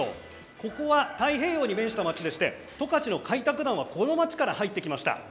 ここは太平洋に面した町で十勝の開拓団はこの町から入ってきました。